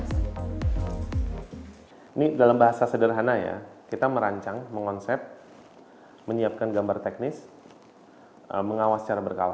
ini dalam bahasa sederhana ya kita merancang mengonsep menyiapkan gambar teknis mengawas secara berkala